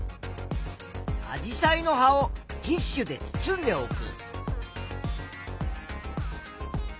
アジサイの葉をティッシュで包んでおく。